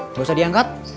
nggak usah diangkat